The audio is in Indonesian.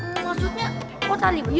maksudnya kota liberty